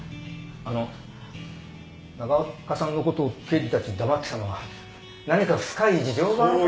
あの長岡さんのことを刑事たちに黙ってたのは何か深い事情がある。